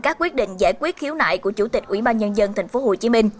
các quyết định giải quyết khiếu nại của chủ tịch ủy ban nhân dân tp hcm